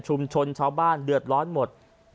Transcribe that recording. ชุมชนชาติบ้านเดือดร้อนหมด